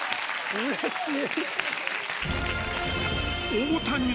うれしい。